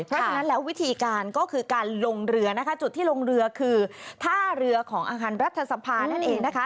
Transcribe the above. เพราะฉะนั้นแล้ววิธีการก็คือการลงเรือนะคะจุดที่ลงเรือคือท่าเรือของอาคารรัฐสภานั่นเองนะคะ